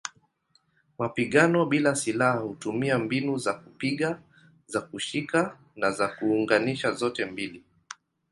Mapigano bila silaha hutumia mbinu za kupiga, za kushika na za kuunganisha zote mbili.